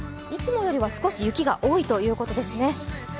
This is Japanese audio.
いつもよりは少し雪が多いということですね。